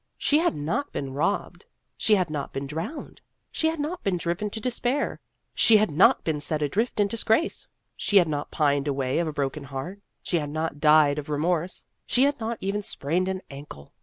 She had not been robbed ; she had not been drowned ; she had not been driven to de spair ; she had not been set adrift in dis grace ; she had not pined away of a broken heart ; she had not died of re morse ; she had not even sprained an ankle.